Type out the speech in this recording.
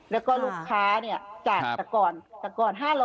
แล้วก็ลูกค้าเนี่ยจากก่อน๕๐๐